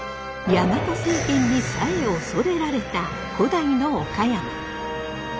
ヤマト政権にさえおそれられた古代の岡山。